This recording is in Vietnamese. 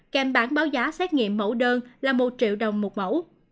kèm bản báo giá xét nghiệm mẫu đơn là một triệu đồng một mẫu